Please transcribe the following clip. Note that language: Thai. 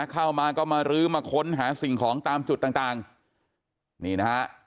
เข้ามาก็มารื้อมาค้นหาสิ่งของตามจุดต่างต่างนี่นะฮะ